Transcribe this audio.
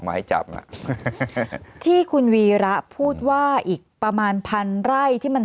หมายจับอ่ะที่คุณวีระพูดว่าอีกประมาณพันไร่ที่มัน